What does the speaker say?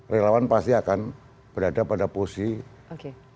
relawan pasti akan berada pada posisi